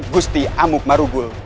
gusti amuk marugul